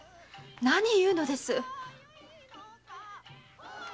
何言うのです！